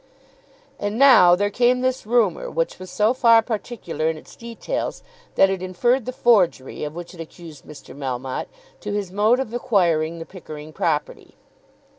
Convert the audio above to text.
] And now there came this rumour which was so far particular in its details that it inferred the forgery, of which it accused Mr. Melmotte, to his mode of acquiring the Pickering property.